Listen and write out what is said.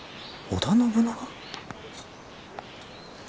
織田信長？